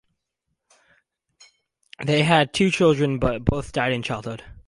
They had two children, but both died in childhood.